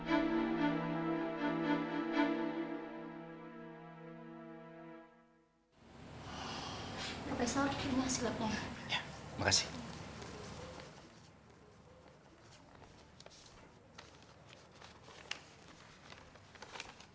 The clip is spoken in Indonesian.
aku yang bawa nana ke sini nek